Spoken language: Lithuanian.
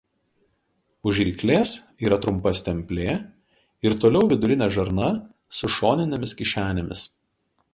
Už ryklės yra trumpa stemplė ir toliau vidurinė žarna su šoninėmis kišenėmis.